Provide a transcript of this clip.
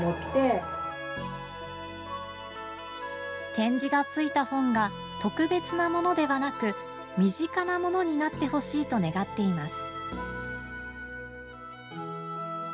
点字がついた本が特別なものではなく身近なものになってほしいと願っています。